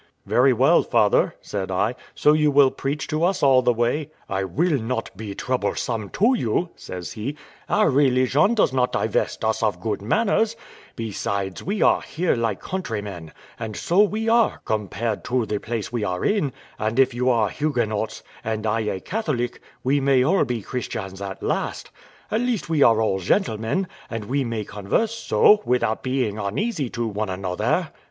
"Very well, father," said I, "so you will preach to us all the way?" "I will not be troublesome to you," says he; "our religion does not divest us of good manners; besides, we are here like countrymen; and so we are, compared to the place we are in; and if you are Huguenots, and I a Catholic, we may all be Christians at last; at least, we are all gentlemen, and we may converse so, without being uneasy to one another."